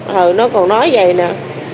hồi nó còn nói vậy nè